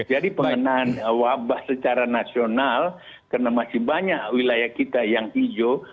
jadi pengenahan wabah secara nasional karena masih banyak wilayah kita yang hijau